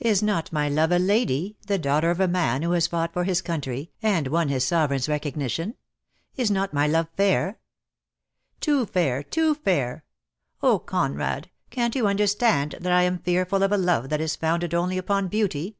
Is not my love a lady, the daughter of a man who has fought for his country, and won his Sovereign's recognition? Is not my love fah?" .■>:.•.., "Too fair, too fair! Oh, Conrad, can't you •understand that I am fearful of a love that is ■founded only upon beauty.